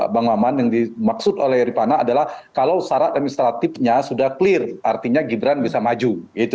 bang maman yang dimaksud oleh ripana adalah kalau syarat administratifnya sudah clear artinya gibran bisa maju